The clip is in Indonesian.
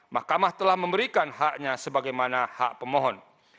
mahkamah telah memberikan haknya sebagaimana hak pemohon